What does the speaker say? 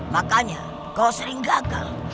makanya kau sering gagal